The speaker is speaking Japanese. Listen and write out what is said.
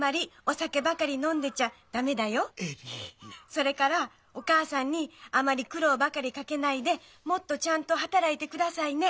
「それからお母さんにあまり苦労ばかりかけないでもっとちゃんと働いて下さいね」。